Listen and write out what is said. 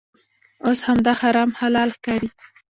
اوس همدا حرام حلال ښکاري.